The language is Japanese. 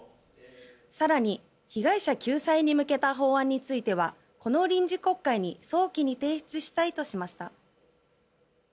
更に、被害者救済に向けた法案についてはこの臨時国会に早期に提出したいとしました。